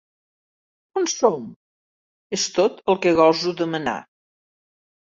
On som? —és tot el que goso demanar.